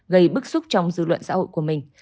gây bức xúc trong dư luận xã hội của mình